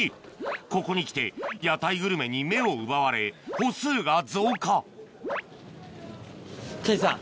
ここにきて屋台グルメに目を奪われ歩数が増加太一さん。